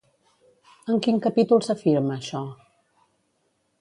En quin capítol s'afirma això?